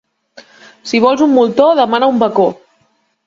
Si vols un moltó, demana un bacó.